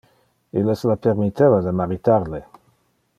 Illes la permitteva de maritar le.